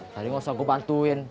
tadi nggak usah gue bantuin